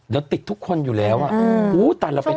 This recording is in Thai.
เดี๋ยวติดทุกคนอยู่แล้วตอนเราเป็น